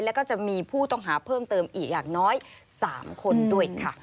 แล้วก็จะมีผู้ต้องหาเพิ่มเติมอีกอย่างน้อย๓คนด้วยค่ะ